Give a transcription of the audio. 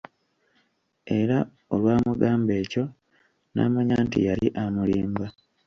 Era olwamugamba ekyo, n'amanya nti yali amulimba.